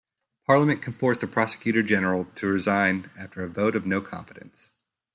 Parliament can force the Prosecutor General to resign after a "vote of no-confidence".